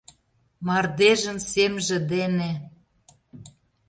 «Мардежын семже дене...»